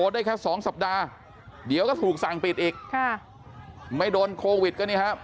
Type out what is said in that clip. ได้แค่สองสัปดาห์เดี๋ยวก็ถูกสั่งปิดอีกค่ะไม่โดนโควิดก็นี่ครับ